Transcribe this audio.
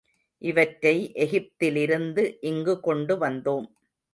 இவற்றை எகிப்திலிருந்து இங்கு கொண்டு வந்தோம்.